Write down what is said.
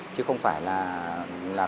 chứ không phải là cứ